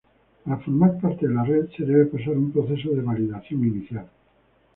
Para formar parte de la red, se debe pasar un proceso de validación inicial.